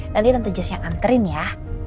lalu tante just yang anterin ya